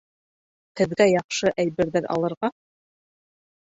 Һеҙгә яҡшы әйберҙәр алырға!